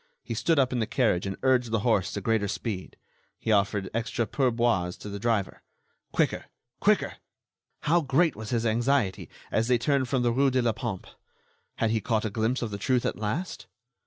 He stood up in the carriage and urged the horse to greater speed. He offered extra pourboires to the driver. Quicker! Quicker! How great was his anxiety as they turned from the rue de la Pompe! Had he caught a glimpse of the truth at last?